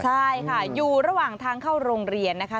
ใช่ค่ะอยู่ระหว่างทางเข้าโรงเรียนนะคะ